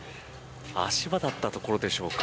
足場だったところでしょうか。